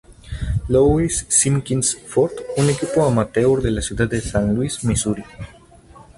Louis Simpkins-Ford, un equipo amateur de la ciudad de San Luis, Misuri.